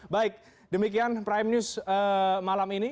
baik demikian prime news malam ini